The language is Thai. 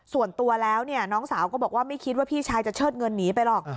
ส่วนตัวแล้วน้องสาวก็บอกว่าไม่คิดว่าพี่ชายจะเชิดเงินหนีไปหรอก